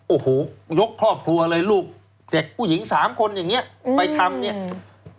โอ้โหยกครอบครัวเลยลูกเด็กผู้หญิงสามคนอย่างเงี้อืมไปทำเนี่ย